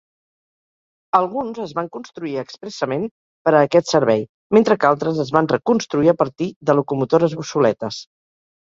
Alguns es van construir expressament per a aquest servei, mentre que altres es van reconstruir a partir de locomotores obsoletes.